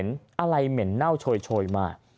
ได้กลิ่นเม็ดอะไรเม็ดเง่าน่าวโชยมา